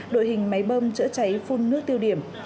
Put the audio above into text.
đội hình máy bơm chữa cháy phun nước tiêu điểm